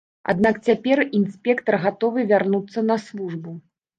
Аднак цяпер інспектар гатовы вярнуцца на службу.